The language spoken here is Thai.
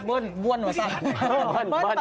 บ้านบ้านมัวซัด